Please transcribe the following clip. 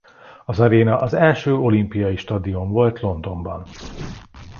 Az aréna az első olimpiai stadion volt Londonban.